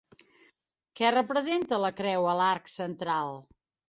Què representa la creu a l'arc central?